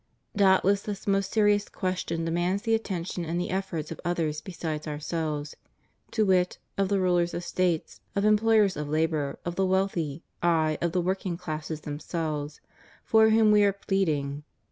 Doubt less this most serious question demands the attention and the efforts of others besides ourselves — to wit, of the rulers of States, of employers of labor, of the wealthy, aye, of the working classes themselves, for whom We are pleading.